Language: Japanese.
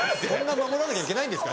守らなきゃいけないんですか？